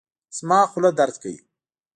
زما خوله درد کوي